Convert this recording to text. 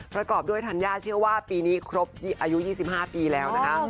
ประกอบด้วยธัญญาเชื่อว่าปีนี้ครบอายุ๒๕ปีแล้วนะคะ